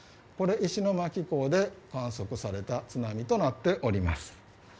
石巻港で観測された津波となっております。